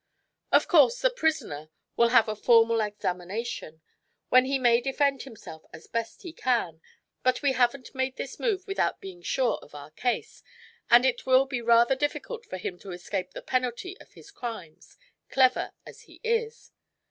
Of course, the prisoner will have a formal examination, when he may defend himself as best he can, but we haven't made this move without being sure of our case, and it will be rather difficult for him to escape the penalty of his crimes, clever as he is."